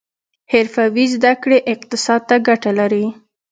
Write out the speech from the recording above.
حرفوي زده کړې اقتصاد ته ګټه لري